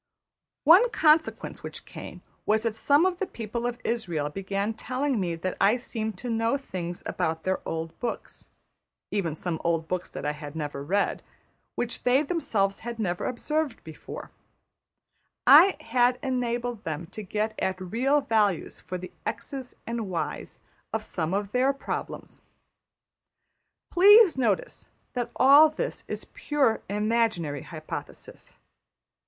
One consequence which came was that some of the people of Israël began telling me that I seemed to know things about their old books (even some old books that I had never read), which they themselves had never observed before; I had enabled them to get at real values for the $x$'s and $y$'s; of some of their problems. Please notice that all this is pure imaginary hypothesis.